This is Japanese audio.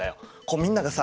みんながさ